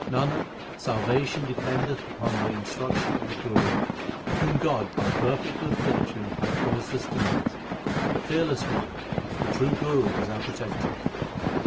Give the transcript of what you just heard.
Nanak, salvation dependeth upon the instruction of the Guru whom God by perfect good fortune hath caused us to meet. The Fearless One, the true Guru is our protector.